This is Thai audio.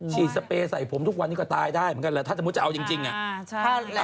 สเปรย์ใส่ผมทุกวันนี้ก็ตายได้เหมือนกันแหละถ้าสมมุติจะเอาจริงอ่ะ